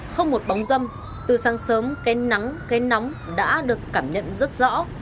không một bóng dâm từ sáng sớm cây nắng cây nóng đã được cảm nhận rất rõ